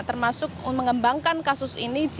termasuk mengembangkan kasus ini